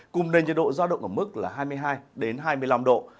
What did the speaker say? cùng nền nhiệt độ ra động ở mức là hai mươi hai đến hai mươi năm độ